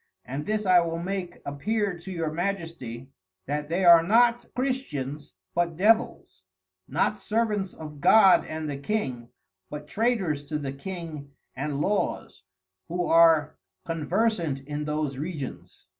And this I will make appear to your Majesty that they are not Christians, but Devils; not Servants of God and the King, but Traitors to the King and Laws, who are Conversant in those Regions.